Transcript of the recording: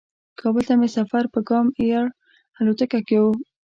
کابل ته مې سفر په کام ایر الوتکه کې و.